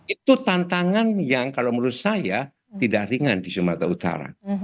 itu tantangan yang kalau menurut saya tidak ringan di sumatera utara